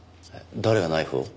誰がナイフを？